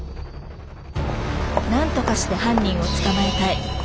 何とかして犯人を捕まえたい！